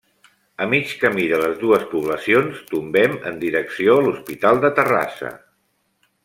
A mig camí de les dues poblacions, tombem en direcció a l'Hospital de Terrassa.